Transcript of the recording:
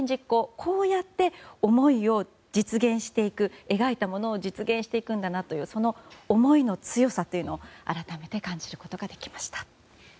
こうやって思いを実現していく描いたものを実現していくんだなというその思いの強さというのを改めて感じることができました。